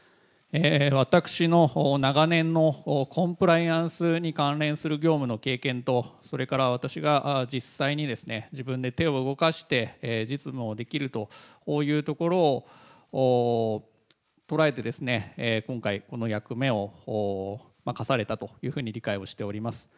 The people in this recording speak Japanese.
私の長年のコンプライアンスに関連する業務の経験とそれから私が実際に自分で手を動かして実務をできるというところを捉えてですね、今回、この役目を課されたというふうに理解をしております。